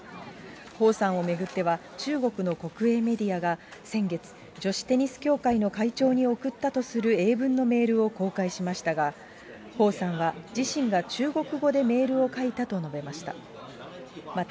彭さんを巡っては中国の国営メディアが先月、女子テニス協会の会長に送ったとする英文のメールを公開しましたが、彭さんは、自身が中国語でメールを書いたと述べました。